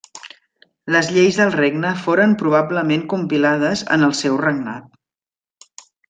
Les lleis del regne foren probablement compilades en el seu regnat.